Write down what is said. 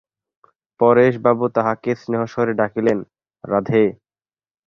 পরেশবাবু তাহাকে স্নেহস্বরে ডাকিলেন, রাধে!